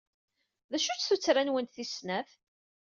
D acu-tt tuttra-nwent tis snat?